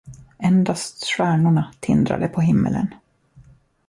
Endast stjärnorna tindrade på himmelen.